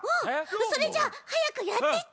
それじゃあはやくやってち。